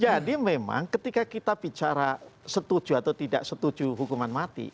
jadi memang ketika kita bicara setuju atau tidak setuju hukuman mati